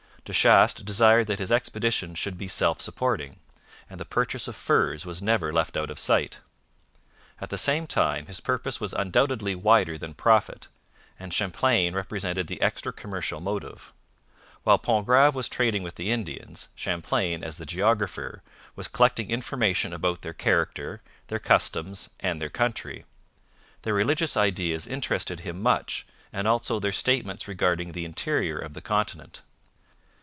De Chastes desired that his expedition should be self supporting, and the purchase of furs was never left out of sight. At the same time, his purpose was undoubtedly wider than profit, and Champlain represented the extra commercial motive. While Pontgrave was trading with the Indians, Champlain, as the geographer, was collecting information about their character, their customs, and their country. Their religious ideas interested him much, and also their statements regarding the interior of the continent.